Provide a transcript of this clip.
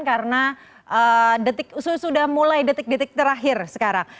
karena sudah mulai detik detik terakhir sekarang